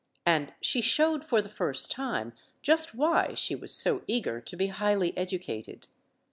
And she showed for the first time just why she was so eager to be highly educated.